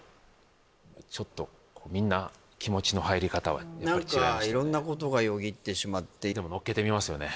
ちょっとみんな気持ちの入り方は違いましたねなんかいろんなことがよぎってしまってでものっけてみますよね